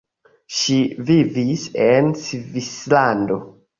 Ŝi vivis en Svislando.